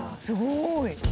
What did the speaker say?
すごい！